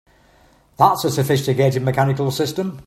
That's a sophisticated mechanical system!